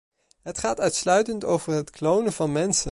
Het gaat uitsluitend over het klonen van mensen.